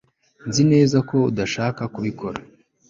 nzi neza ko udashaka kubikora